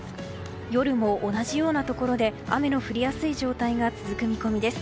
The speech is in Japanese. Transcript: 夜も同じようなところで雨の降りやすい状態が続く見込みです。